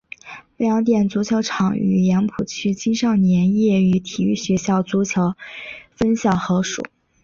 白洋淀足球场与杨浦区青少年业余体育学校足球分校合署。